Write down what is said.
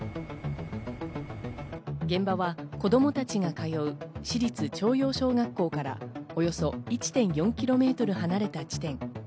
現場は子供たちが通う市立朝陽小学校からおよそ１．４ｋｍ離れた地点。